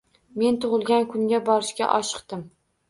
Men tug’ilgan kunga borishga oshiqdim.